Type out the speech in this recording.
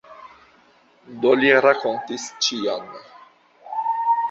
Do li rakontis ĉion.